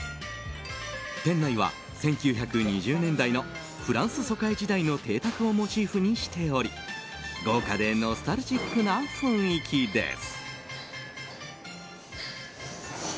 店内は１９２０年代のフランス租界時代の邸宅をモチーフにしており豪華でノスタルジックな雰囲気です。